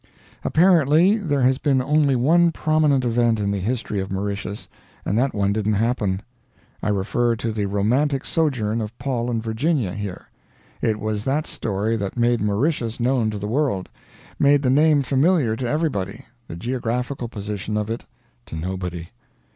Apparently, there has been only one prominent event in the history of Mauritius, and that one didn't happen. I refer to the romantic sojourn of Paul and Virginia here. It was that story that made Mauritius known to the world, made the name familiar to everybody, the geographical position of it to nobody.